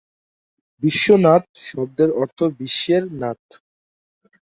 বিশ্বনাথ শব্দের অর্থ বিশ্বের নাথ।